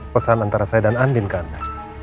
pesan antara saya dan andin ke anda